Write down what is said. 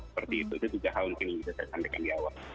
seperti itu juga hal mungkin yang saya sampaikan di awal